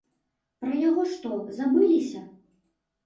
Пра яго што, забыліся?